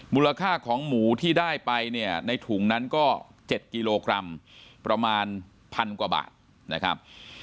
มูลค่าของหมูที่ได้ไปเนี่ยในถุงนั้นก็๗กิโลกรัมประมาณ๑๐๐กว่าบาทนะครับ